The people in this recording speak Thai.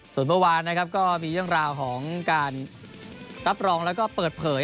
ส่วนเมื่อวานนะครับก็มีเรื่องราวของการรับรองแล้วก็เปิดเผย